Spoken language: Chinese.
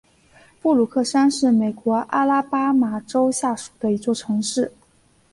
布鲁克山是美国阿拉巴马州下属的一座城市。